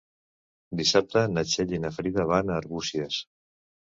Dissabte na Txell i na Frida van a Arbúcies.